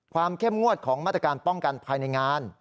เข้มงวดของมาตรการป้องกันภายในงาน